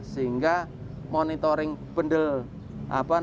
sehingga monitoring pendidikan